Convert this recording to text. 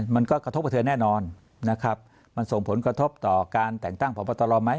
มันก็กระทบกับเธอแน่นอนนะครับมันส่งผลกระทบต่อการแต่งตั้งพบตรไหม